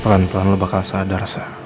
pelan pelan lo bakal sadar sa